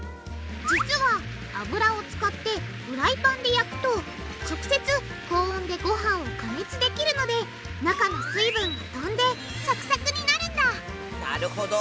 実は油を使ってフライパンで焼くと直接高温でごはんを加熱できるので中の水分がとんでサクサクになるんだなるほど。